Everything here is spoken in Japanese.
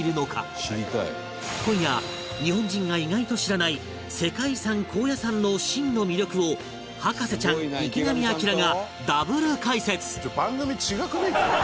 今夜日本人が意外と知らない世界遺産高野山の真の魅力を博士ちゃん池上彰がダブル解説！